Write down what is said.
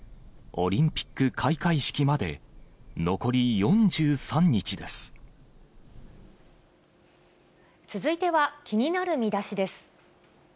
オリンピック開会式まで残り続いては気になるミダシです。